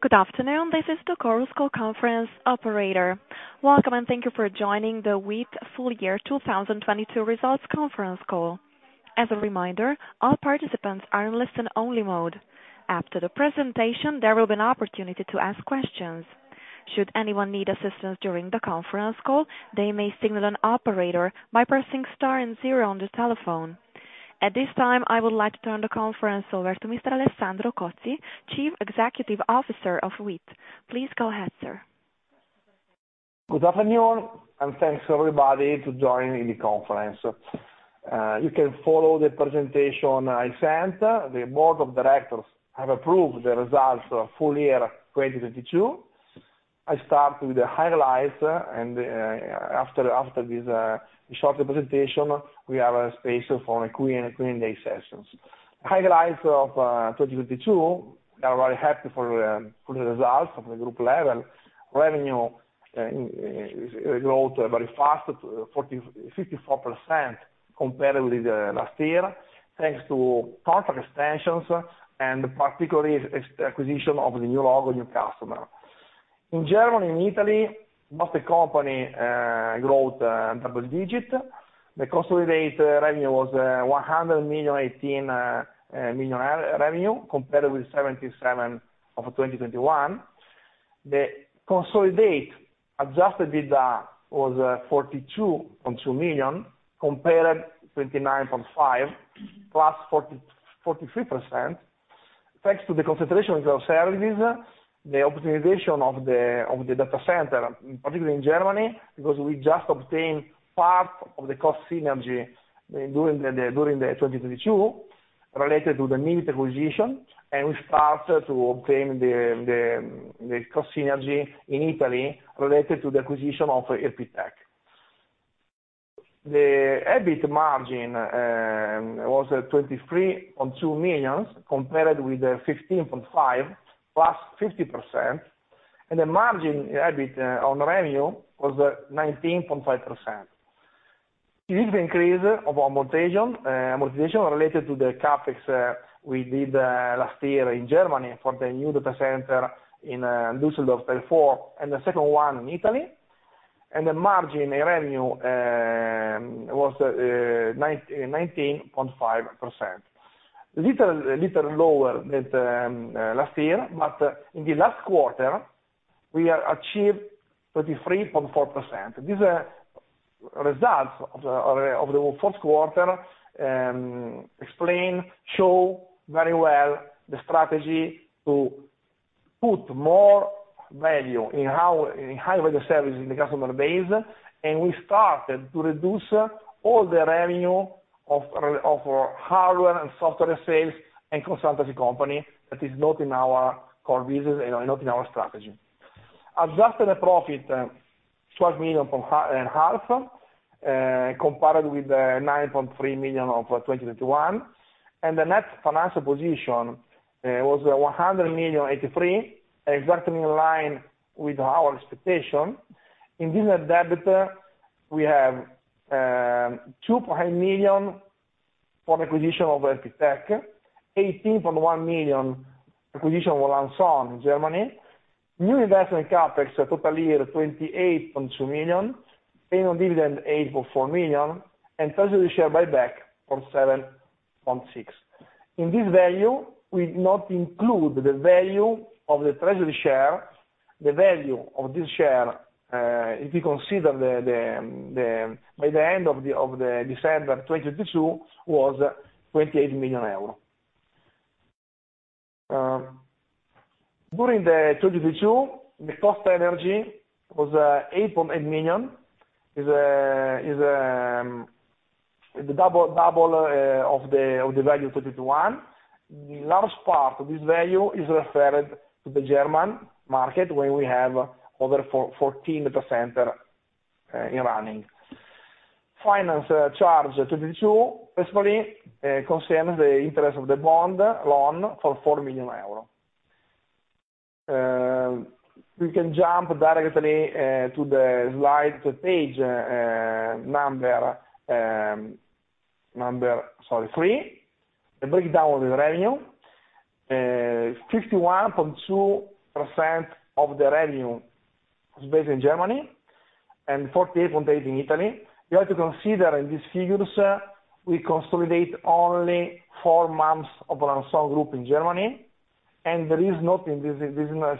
Good afternoon. This is the Chorus Call conference operator. Welcome, and thank you for joining the WIIT Full Year 2022 Results Conference Call. As a reminder, all participants are in listen-only mode. After the presentation, there will be an opportunity to ask questions. Should anyone need assistance during the conference call, they may signal an operator by pressing star and zero on their telephone. At this time, I would like to turn the conference over to Mr. Alessandro Cozzi, Chief Executive Officer of WIIT. Please go ahead, sir. Good afternoon, and thanks everybody to joining the conference. You can follow the presentation I sent. The board of directors have approved the results for full year 2022. I start with the highlights and after this short presentation, we have a space for Q&A sessions. Highlights of 2022, we are very happy for the results of the group level. Revenue is growth very fast, 54% compared with last year, thanks to contract extensions and particularly ex-acquisition of the new logo, new customer. In Germany and Italy, both the company growth double-digit. The consolidated revenue was 100 million 18 million revenue compared with 77 million of 2021. The consolidated adjusted EBITDA was 42.2 million compared 29.5 million, +43%, thanks to the concentration of services, the optimization of the data center, particularly in Germany, because we just obtained part of the cost synergy during 2022 related to the mini acquisition, and we started to obtain the cost synergy in Italy related to the acquisition of ERPTech. The EBIT margin was at 23.2 million compared with the 15.5 million, +50%, and the margin EBIT on revenue was 19.5%. This increase of amortization related to the CapEx we did last year in Germany for the new data center in Dusseldorf, therefore, and the second one in Italy. The margin revenue was 19.5%. Little lower than last year. In the last quarter, we have achieved 33.4%. These are results of the fourth quarter, explain, show very well the strategy to put more value in our, in high value service in the customer base. We started to reduce all the revenue of our hardware and software sales and consultancy company that is not in our core business and not in our strategy. Adjusted profit, 12 million in half, compared with 9.3 million of 2021. The net financial position was 100,000,083, exactly in line with our expectation. In this net debtor, we have 2.8 million for acquisition of ERPTech, 18.1 million acquisition of LANSOL in Germany, new investment CapEx total year 28.2 million, payment of dividend 8.4 million, and treasury share buyback of 7.6 million. In this value, we not include the value of the treasury share. The value of this share, if you consider the by the end of the December 2022 was EUR 28 million. During the 2022, the cost energy was 8.8 million, is the double of the value 2021. The largest part of this value is referred to the German market, where we have over 14 data center in running. Finance charge 22, basically, concerns the interest of the bond loan for 4 million euro. We can jump directly to the slide to page number three. The breakdown of the revenue. 51.2% of the revenue was based in Germany and 48.8% in Italy. You have to consider in these figures, we consolidate only four months of LANSOL group in Germany, and there is not in these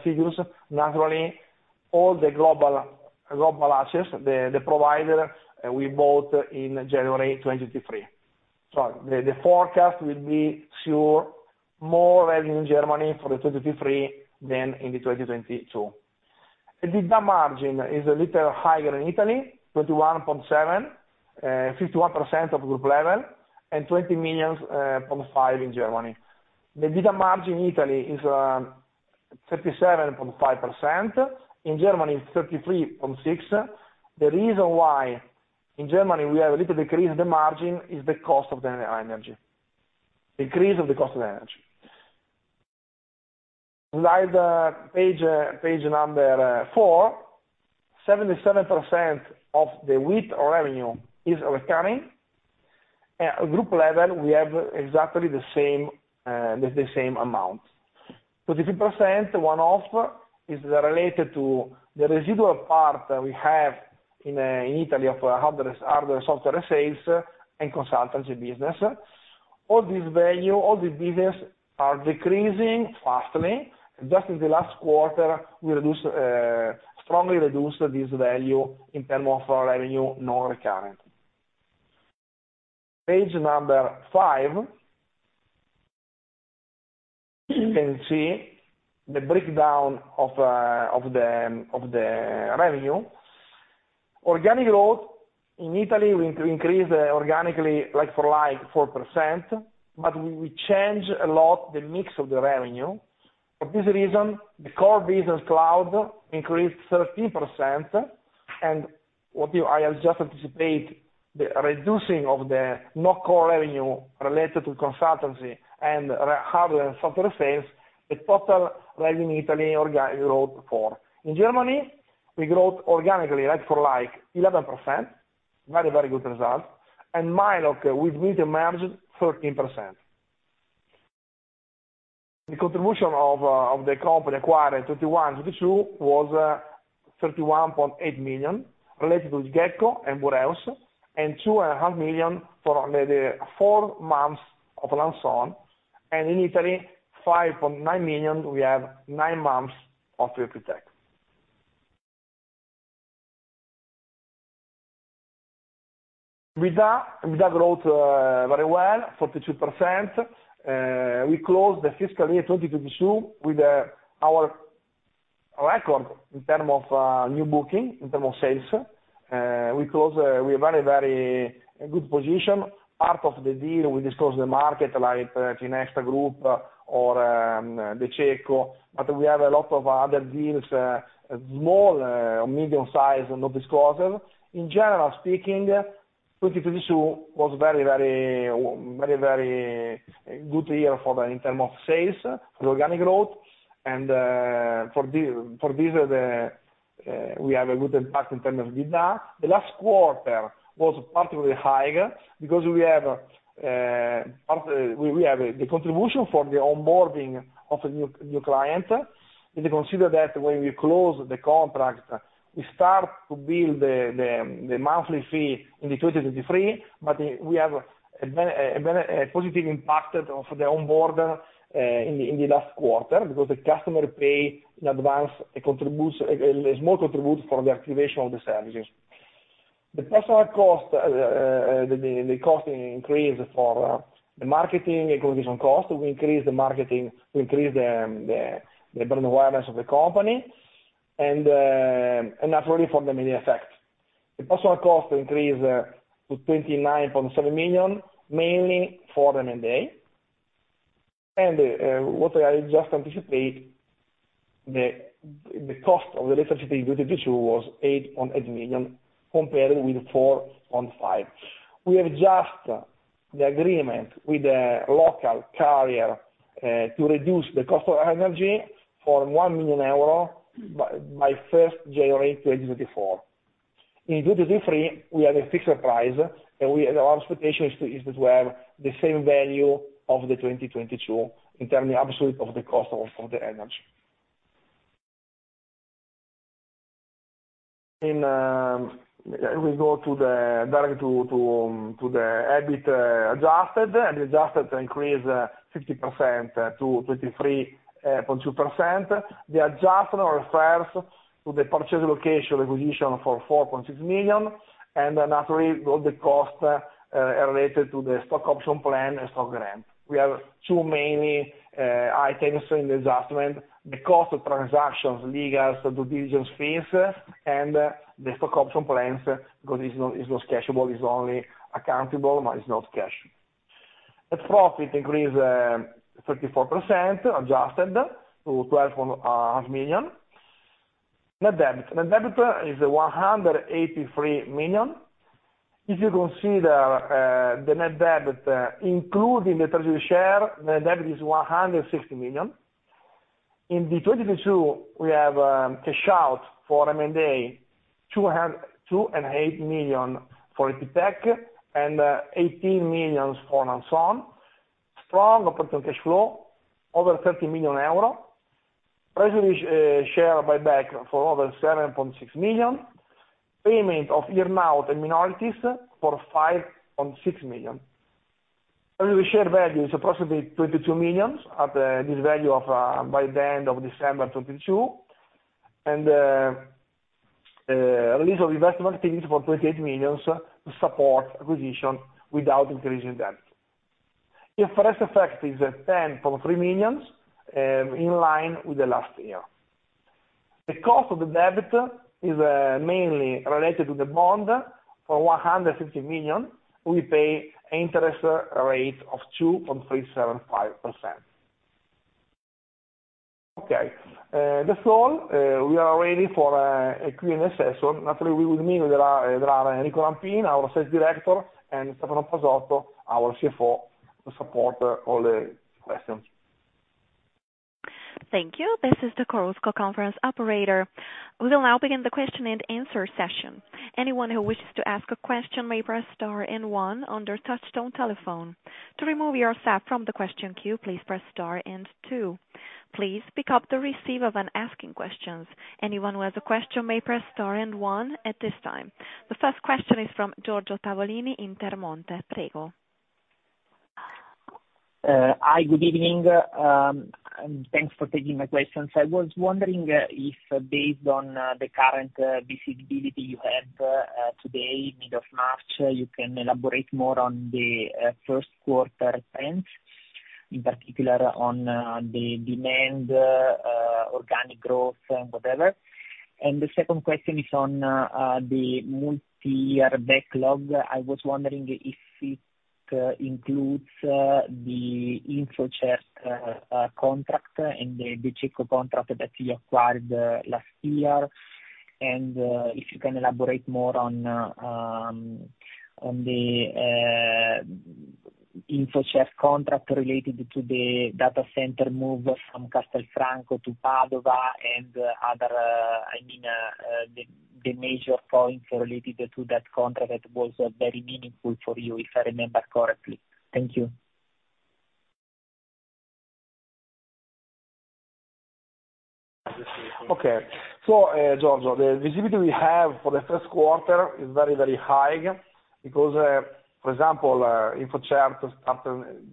figures, naturally, all the Global Access, the provider we bought in January 2023. The forecast will be sure more revenue in Germany for the 2023 than in the 2022. The EBITDA margin is a little higher in Italy, 21.7%, 51% of group level and 20.5 million in Germany. The EBITDA margin in Italy is 37.5%. In Germany, it's 33.6%. The reason why in Germany we have a little decrease the margin is the cost of the energy. Decrease of the cost of energy. Slide page number four. 77% of the WIIT revenue is recurring. At group level, we have exactly the same amount. 33% one-off is related to the residual part that we have in Italy of hardware, software sales and consultancy business. All this value, all the business are decreasing vastly. Just in the last quarter, we strongly reduced this value in term of our revenue non-recurrent. Page number five. You can see the breakdown of the revenue. Organic growth in Italy, we increase organically like-for-like 4%, but we change a lot the mix of the revenue. For this reason, the core business cloud increased 13%. I have just anticipate the reducing of the not core revenue related to consultancy and hard- software sales, the total revenue Italy growth 4%. In Germany, we growth organically like-for-like 11%. Very, very good result. myLoc with Vita merged 13%. The contribution of the company acquired 2021, 2022 was 31.8 million related to Gecko and Boreus, and 2.5 million for maybe four months of LANSOL. In Italy, 5.9 million, we have nine months of ERPTech. Vita, Vita growth very well, 42%. We closed the fiscal year 2022 with our record in term of new booking, in term of sales. We close with very, very good position. Part of the deal, we discussed the market, like Finestra Group or De Cecco, but we have a lot of other deals, small, medium size and not disclosed. In general speaking, 2022 was very, very, very, very good year for the in term of sales and organic growth and for this, the, we have a good impact in terms of EBITDA. The last quarter was particularly high because we have the contribution from the onboarding of a new client. If you consider that when we close the contract, we start to build the monthly fee in 2023. We have a positive impact of the onboard in the last quarter because the customer pay in advance. It contributes a small contribute for the activation of the services. The personnel cost the costing increase for the marketing acquisition cost. We increase the marketing, we increase the brand awareness of the company and that's only from the mini effect. The personnel cost increase to 29.7 million, mainly for M&A. What I just anticipate the cost of electricity in 2022 was 8.8 million compared with 4.5 million. We have just the agreement with the local carrier to reduce the cost of energy for 1 million euro by first January 2024. In 2023, we have a fixed price, and our expectation is to have the same value of the 2022 in terms of absolute of the cost of the energy. We go down to the EBIT adjusted and adjusted to increase 50% to 23.2%. The adjustment refers to the purchase location acquisition for 4.6 million and then that's really all the costs related to the stock option plan and stock grant. We have two mainly items in the adjustment. The cost of transactions, legals, the due diligence fees, and the stock option plans because it's not cashable, it's only accountable, but it's not cash. Net profit increase, 34% adjusted to 12.5 million. Net debt. Net debt is 183 million. If you consider the net debt, including the treasury share, net debt is 160 million. In 2022, we have cash out for M&A, 208 million for ERPTech and 18 million for LANSOL. Strong operating cash flow, over 30 million euro. Treasury share buyback for over 7.6 million. Payment of earnout and minorities for 5.6 million. Only the share value is approximately 22 million at this value by the end of December 2022. Release of investment teams for 28 million to support acquisition without increasing debt. The IFRS effect is at 10.3 million in line with the last year. The cost of the debt is mainly related to the bond for 150 million. We pay interest rate of 2.375%. That's all. We are ready for a Q&A session. Actually, we will need Enrico Rampin, our Sales Director, and Stefano Pasotto, our CFO, to support all the questions. Thank you. This is the Chorus Call conference operator. We'll now begin the question and answer session. Anyone who wishes to ask a question may press star and one on their touchtone telephone. To remove yourself from the question queue, please press star and two. Please pick up the receiver when asking questions. Anyone who has a question may press star and one at this time. The first question is from Giorgio Tavolini, Intermonte. Hi, good evening. Thanks for taking my questions. I was wondering if based on the current visibility you have today, middle of March, you can elaborate more on the first quarter trends, in particular on the demand, organic growth and whatever. The second question is on the multiyear backlog. I was wondering if it includes the InfoCert contract and the De Cecco contract that you acquired last year. If you can elaborate more on the InfoCert contract related to the data center move from Castelfranco to Padova and other the major points related to that contract that was very meaningful for you, if I remember correctly. Thank you. Okay. Giorgio, the visibility we have for the first quarter is very, very high because, for example,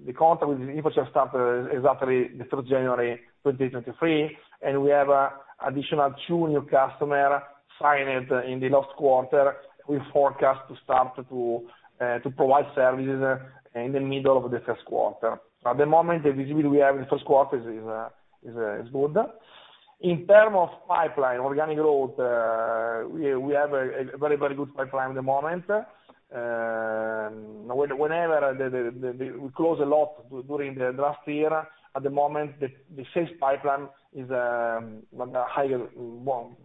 the contract with InfoCert started exactly the third January 2023. We have additional two new customer signed in the last quarter. We forecast to start to provide services in the middle of the first quarter. At the moment, the visibility we have in the first quarter is good. In term of pipeline, organic growth, we have a very, very good pipeline at the moment. Whenever we close a lot during the last year, at the moment, the sales pipeline is on a higher, one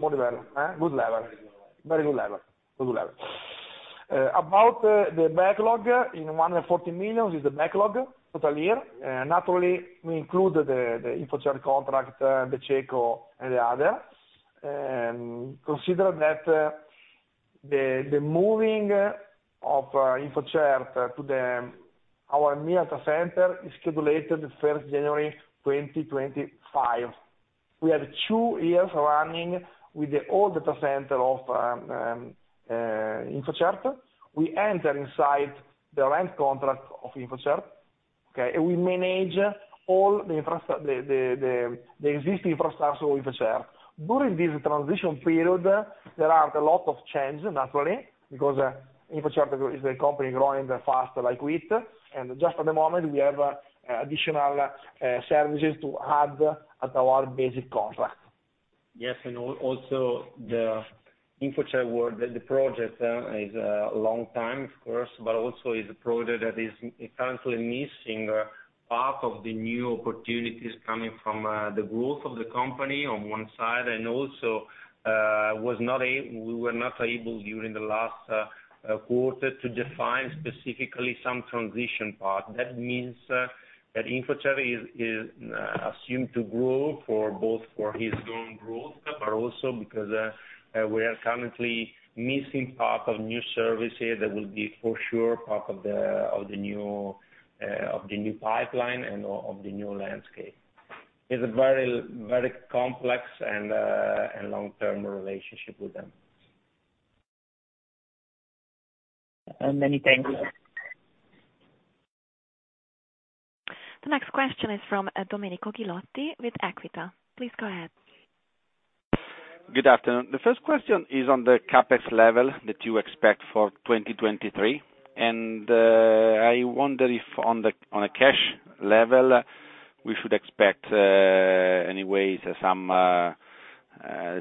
good level. Eh? Good level. Very good level. Very good level. Good level. About the backlog, in 140 million is the backlog, total year. Naturally, we include the InfoCert contract, De Cecco and the other. Consider that the moving of InfoCert to our Milan data center is scheduled first January, 2025. We have two years running with the old data center of InfoCert. We enter inside the rent contract of InfoCert, okay? We manage all the existing infrastructure of InfoCert. During this transition period, there are a lot of changes, naturally, because InfoCert is a company growing very fast like we, and just at the moment we have additional services to add at our basic contract. Yes. Also the InfoCert work, the project, is long time, of course, but also is a project that is currently missing part of the new opportunities coming from the growth of the company on one side, and also we were not able during the last quarter to define specifically some transition part. That means that InfoCert is assumed to grow for both for his own growth, but also because we are currently missing part of new services that will be for sure part of the new pipeline and of the new landscape. It's a very, very complex and long-term relationship with them. Many thanks. The next question is from, Domenico Ghilotti with Equita. Please go ahead. Good afternoon. The first question is on the CapEx level that you expect for 2023. And, I wonder if on the, on a cash level, we should expect, anyways some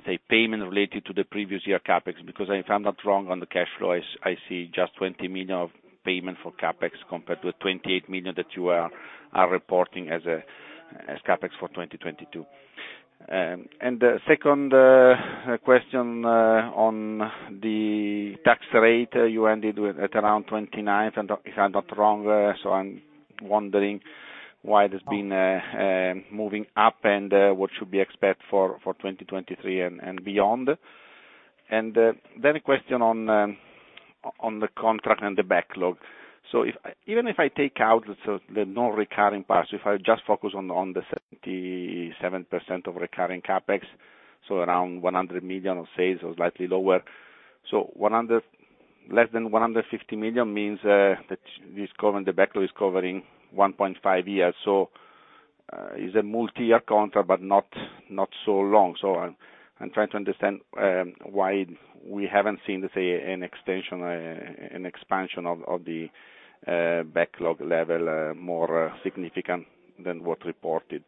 say payment related to the previous year CapEx, because if I'm not wrong on the cash flow, I see just 20 million of payment for CapEx compared to the 28 million that you are, are reporting as CapEx for 2022. And the second question, on the tax rate, you ended with, at around 29, if I'm not wrong. So I'm wondering why it has been moving up and, what should we expect for, for 2023 and, and beyond. And, then a question on the contract and the backlog. Even if I take out the non-recurring parts, if I just focus on the 77% of recurring CapEx, around 100 million of sales or slightly lower. 100, less than 150 million means that this covering, the backlog is covering 1.5 years. It's a multiyear contract, but not so long. I'm trying to understand why we haven't seen, let's say, an extension, an expansion of the backlog level, more significant than what reported.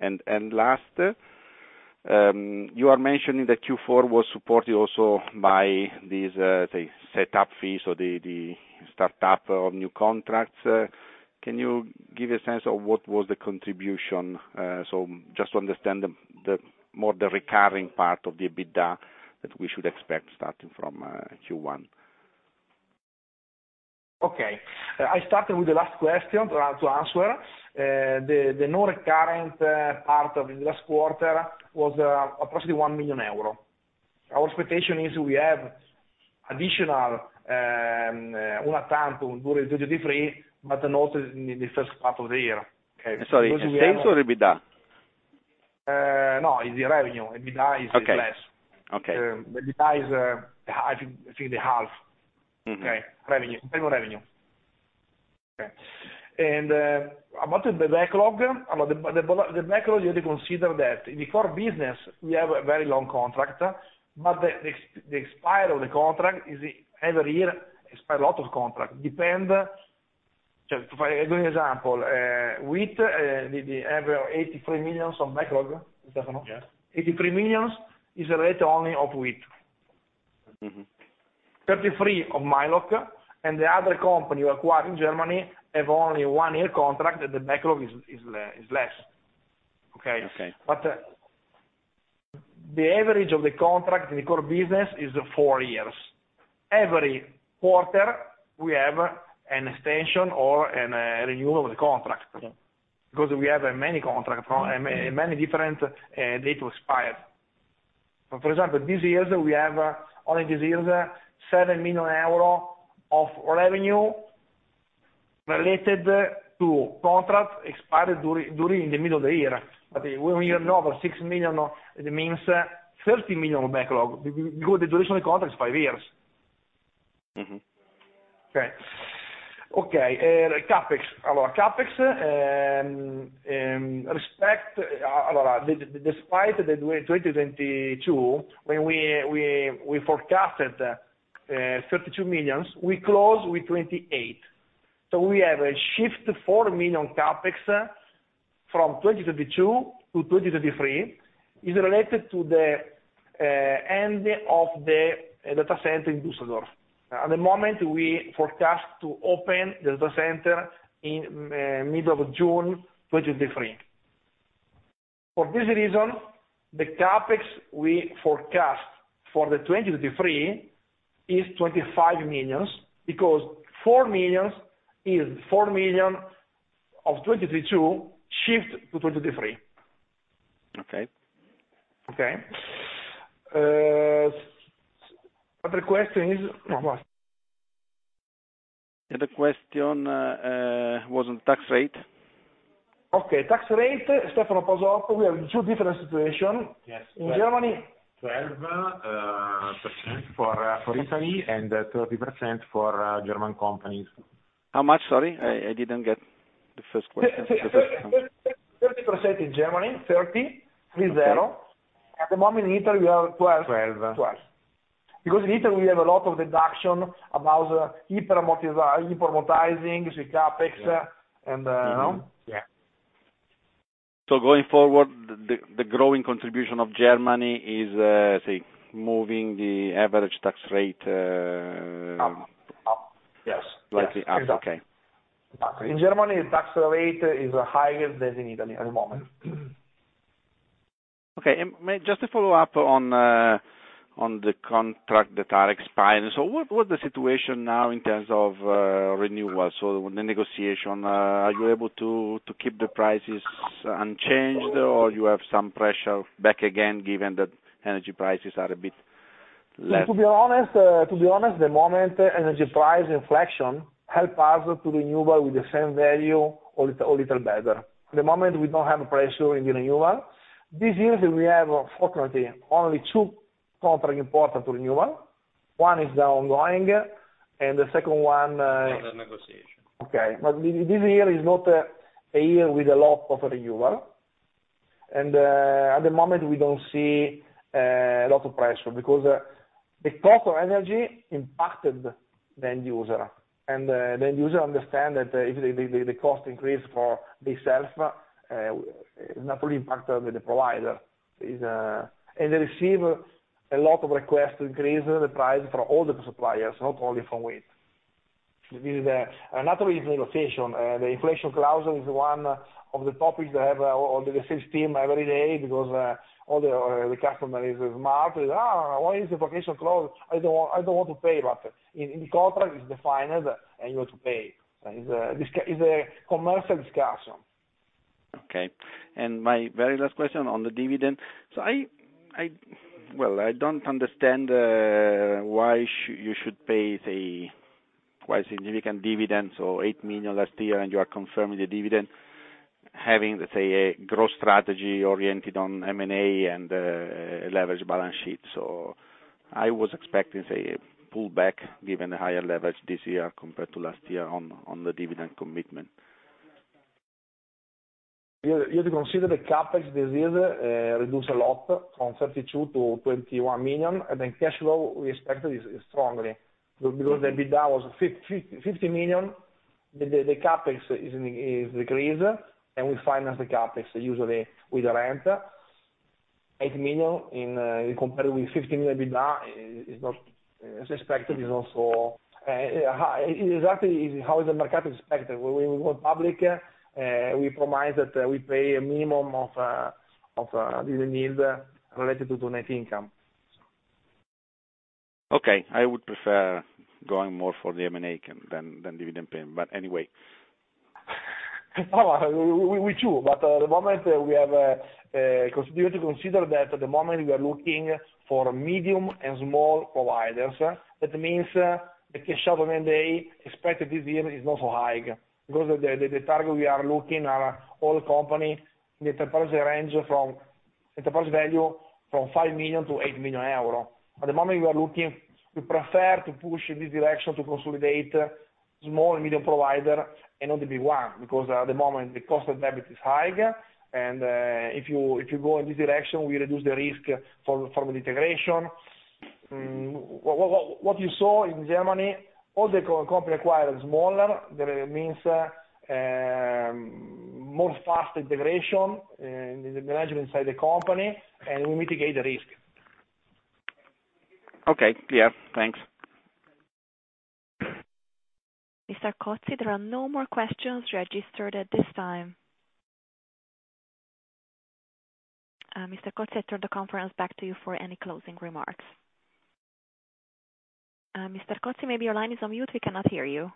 Last, you are mentioning that Q4 was supported also by these, the setup fees or the startup of new contracts. Can you give a sense of what was the contribution? Just to understand the more the recurring part of the EBITDA that we should expect starting from, Q1. I started with the last question to answer. The non-recurrent part of the last quarter was approximately 1 million euro. Our expectation is we have additional una tantum during 23, but also in the first part of the year. Sorry, in the sales or EBITDA? No, in the revenue. EBITDA is less. Okay. Okay. The EBITDA is, I think, the half. Mm-hmm. Okay. Revenue, total revenue. Okay. About the backlog. About the backlog, you have to consider that in the core business we have a very long contract, but the expire of the contract is every year expire a lot of contract. Depend. For as an example, with the ever 83 million of backlog, Stefano. Yes. 83 million is a rate only of WIIT. Mm-hmm. 33 of myLoc and the other company we acquired in Germany have only one year contract, and the backlog is less. Okay? Okay. The average of the contract in the core business is 4 years. Every quarter we have an extension or an renewal of the contract. Okay. We have many contracts from many different dates to expire. For example, this year we have only this year 7 million euro of revenue related to contracts expired during the middle of the year. We ignore the 6 million, it means 13 million of backlog with good additional contracts five years. Mm-hmm. Okay. Okay. CapEx. Our CapEx. Despite 2022, when we forecasted 32 million, we closed with 28 million. We have a shift of 4 million CapEx from 2022 to 2023, is related to the end of the data center in Düsseldorf. At the moment we forecast to open the data center in middle of June 2023. For this reason, the CapEx we forecast for 2023 is 25 million, because 4 million is 4 million of 2022 shift to 2023. Okay. Okay. other question is what? The other question was on tax rate. Okay, tax rate. Stefano Pasotto, we are in 2 different situation. Yes. In Germany. 12% for Italy and 13% for German companies. How much, sorry? I didn't get the first question. 13% in Germany, 30. Okay. At the moment in Italy we are 12. 12. 12. In Italy we have a lot of deduction about hyper-amortization, so CapEx and, you know. Mm-hmm. Yeah. Going forward, the growing contribution of Germany is, say, moving the average tax rate. Up, up. Yes. Slightly up. Okay. In Germany, tax rate is higher than in Italy at the moment. Okay. Just to follow up on the contract that are expired. What's the situation now in terms of renewal, the negotiation, are you able to keep the prices unchanged, or you have some pressure back again given that energy prices are a bit less? To be honest, the moment energy price inflection help us to renewable with the same value or little better. At the moment we don't have a pressure in renewal. This year we have fortunately only two contract important to renewal. One is ongoing and the second one. Under negotiation. Okay. This year is not a year with a lot of renewal. At the moment we don't see a lot of pressure, because the cost of energy impacted the end user. The end user understand that if the cost increase for themselves, naturally impact the provider. They receive a lot of requests to increase the price from all the suppliers, not only from WIIT. This is another negotiation. The inflation clause is one of the topics I have on the sales team every day because all the customer is smart, "Ah, why is the vacation closed? I don't want to pay." In contract is defined and you have to pay. It's a commercial discussion. Okay. My very last question on the dividend. Well, I don't understand why you should pay, say, quite significant dividends or 8 million last year, and you are confirming the dividend, having, let's say, a growth strategy oriented on M&A and a leverage balance sheet. I was expecting, say, a pullback given the higher leverage this year compared to last year on the dividend commitment. You have to consider the CapEx this year, reduce a lot from 32 million-21 million. Cash flow, we expect it is strongly. Because the EBITDA was 50 million. The CapEx is decreased, and we finance the CapEx usually with the rent. 8 million in, compared with 50 million EBITDA is not. As expected is also high. Exactly is how the market expected. When we went public, we promised that we pay a minimum of dividend yield related to the net income. Okay. I would prefer going more for the M&A than dividend payment. Anyway. We too. At the moment we have to consider that at the moment we are looking for medium and small providers. That means that the M&A expected this year is not so high, because the target we are looking are all company enterprise range from, enterprise value from 5 million-8 million euro. At the moment we are looking, we prefer to push in this direction to consolidate small and medium provider and not the big one, because at the moment the cost of debt is high, and if you go in this direction, we reduce the risk for the integration. What you saw in Germany, all the co-company acquired smaller, that means more fast integration in the management side of the company, and we mitigate the risk. Okay. Clear. Thanks. Mr. Cozzi, there are no more questions registered at this time. Mr. Cozzi, I turn the conference back to you for any closing remarks. Mr. Cozzi, maybe your line is on mute, we cannot hear you.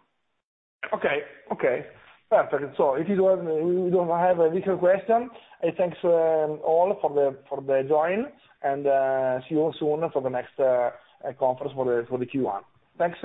Okay. Okay. Perfect. We don't have any more question, I thanks all for the join, and see you all soon for the next conference for the Q1. Thanks.